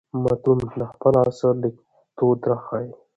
متون د خپل عصر لیکدود راښيي.